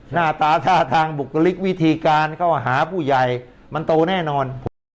หน้าตาท่าทางบุคลิกวิธีการเข้าหาผู้ใหญ่มันโตแน่นอน